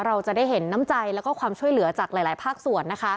เราจะได้เห็นน้ำใจแล้วก็ความช่วยเหลือจากหลายภาคส่วนนะคะ